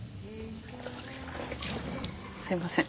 すいません。